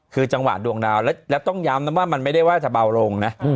คือจังหวะดวงดาวแล้วต้องย้ำนะว่ามันไม่ได้ว่าจะเบาลงนะ